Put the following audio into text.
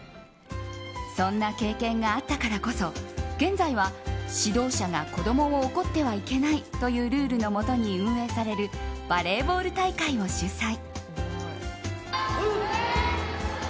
そんな経験があったからこそ現在は指導者が子供を怒ってはいけないというルールのもとに運営されるバレーボール大会を主催。